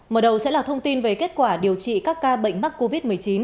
mở đầu sẽ là thông tin về kết quả điều trị các ca bệnh mắc covid một mươi chín